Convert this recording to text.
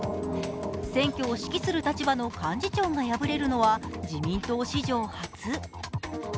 選挙を指揮する立場の幹事長が敗れるのは自民党史上初。